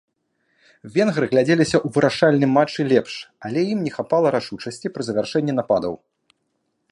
Венгры глядзеліся ў вырашальным матчы лепш, але ім не хапала рашучасці пры завяршэнні нападаў.